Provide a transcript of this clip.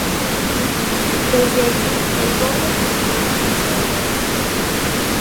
Desde allí el borde continúa hacia el oeste.